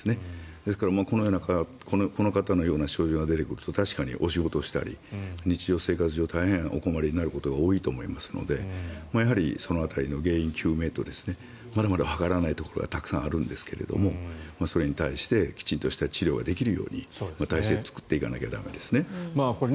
ですから、この方のような症状が出てくると確かにお仕事をしたり日常生活上大変お困りになることが多いと思いますのでやはり、その辺りの原因究明とまだまだわからないところはたくさんあるんですがそれに対してきちんとした治療ができるように体制を作っていかなきゃ駄目ですね。